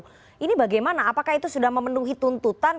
ini laku ini bagaimana apakah itu sudah memenuhi tuntutan